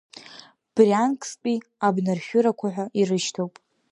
Бриансктәи абнаршәырақәа ҳәа ирышьҭоуп!